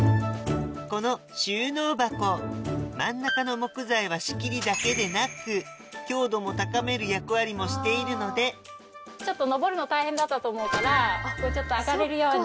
この収納箱真ん中の木材は仕切りだけでなくしているのでちょっと上るの大変だったと思うから上がれるように。